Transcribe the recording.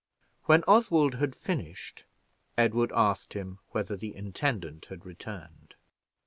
When Oswald had finished, Edward asked him whether the intendant had returned.